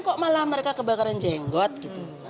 kok malah mereka kebakaran jenggot gitu